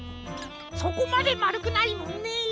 そこまでまるくないもんね。